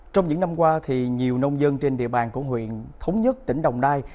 trong những năm qua nhiều nông dân trên địa bàn của huyện thống nhất tỉnh đồng nai